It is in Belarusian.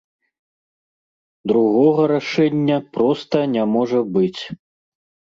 Другога рашэння проста не можа быць.